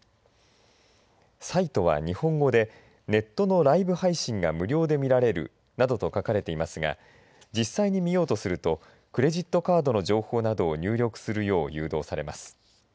サイトは日本語でネットのライブ配信が無料で見られるなどと書かれていますが実際に見ようとするとクレジットカードの情報などを入力するよう誘導されます。